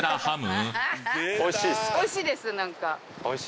おいしいですか？